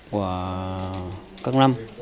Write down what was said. của các năm